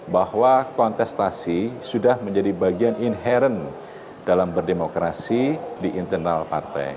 bahwa kontestasi sudah menjadi bagian inherent dalam berdemokrasi di internal partai